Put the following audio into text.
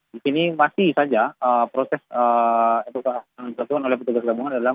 di sini masih saja proses evakuasi yang dilakukan oleh petugas gabungan adalah